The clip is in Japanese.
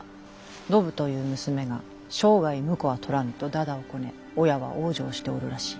信という娘が生涯婿は取らぬとだだをこね親は往生しておるらしい。